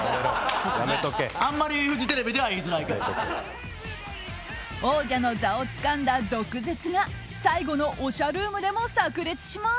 あんまりフジテレビでは王者の座をつかんだ毒舌が最後のおしゃルームでも炸裂します。